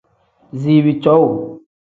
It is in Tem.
Ziibi cowuu.